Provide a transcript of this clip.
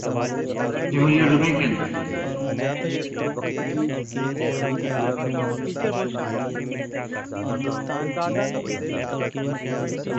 جمہوریہ ڈومینیکن